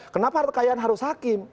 kenapa kekayaan harus hakim